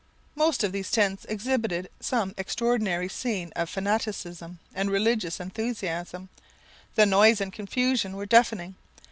Most of these tents exhibited some extraordinary scene of fanaticism and religious enthusiasm; the noise and confusion were deafening.